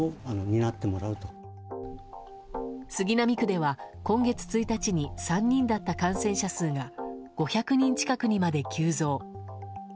杉並区では今月１日に３人だった感染者数が５００人近くにまで急増。